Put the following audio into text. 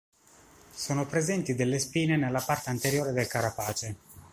Sono presenti delle spine nella parte anteriore del carapace.